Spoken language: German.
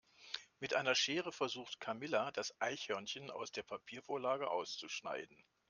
Mit einer Schere versucht Camilla das Eichhörnchen aus der Papiervorlage auszuschneiden.